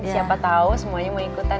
siapa tahu semuanya mau ikutan